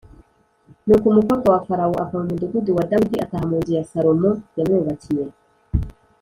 Nuko umukobwa wa Farawo ava mu mudugudu wa Dawidi ataha mu nzu Salomo yamwubakiye